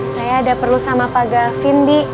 saya ada perlu sama pak gavin di